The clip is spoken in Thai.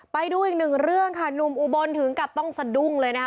ไปดูอีกหนึ่งเรื่องค่ะหนุ่มอุบลถึงกับต้องสะดุ้งเลยนะคะ